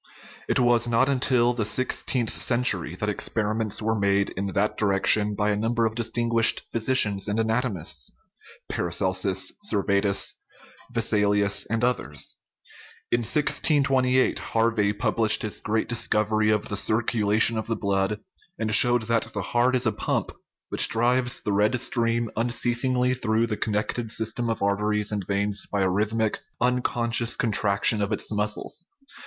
It was not until the sixteenth century that experiments were made in that direction by a number of distinguished physicians and anato mists (Paracelsus, Servetus, Vesalius, and others). In 1628 Harvey published his great discovery of the cir culation of the blood, and showed that the heart is a pump, which drives the red stream unceasingly through the connected system of arteries and veins by a rhyth mic, unconscious contraction of its muscles.